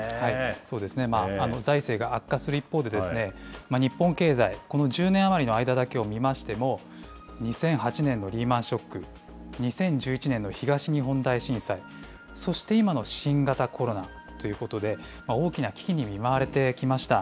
そうですね、財政が悪化する一方で、日本経済、この１０年余りの間だけを見ましても、２００８年のリーマンショック、２０１１年の東日本大震災、そして今の新型コロナということで、大きな危機に見舞われてきました。